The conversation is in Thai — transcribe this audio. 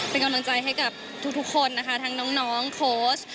เป็นกำลังใจให้กับทุกคนนะคะทั้งน้องโค้ช